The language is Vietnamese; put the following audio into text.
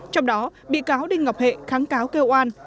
trong đó bị cáo đinh ngọc hệ kháng cáo kêu an